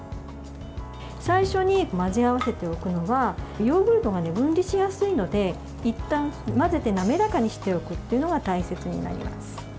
最初に混ぜ合わせておくのはヨーグルトが分離しやすいのでいったん混ぜて滑らかにしておくっていうのが大切になります。